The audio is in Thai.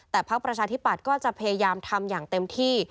แต่พักประชาธิปัตย์ก็จะพยายามทำอย่างเต็มที่